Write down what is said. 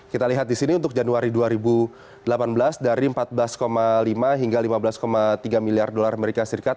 kita lihat di sini untuk januari dua ribu delapan belas dari empat belas lima hingga lima belas tiga miliar dolar amerika serikat